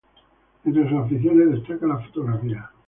Entre sus aficiones destaca la fotografía.